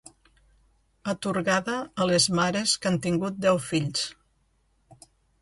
Atorgada a les mares que han tingut deu fills.